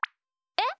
えっ？